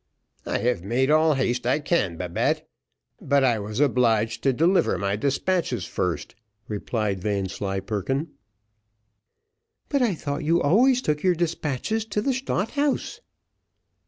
"I have made all the haste I can, Babette. But I was obliged to deliver my despatches first," replied Vanslyperken. "But I thought you always took your despatches to the Stadt House?"